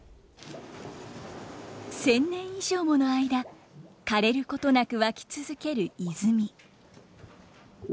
１，０００年以上もの間かれることなく湧き続ける泉。